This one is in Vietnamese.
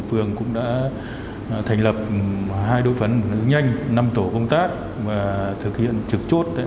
phường cũng đã thành lập hai đối phấn nhanh năm tổ công tác và thực hiện trực chốt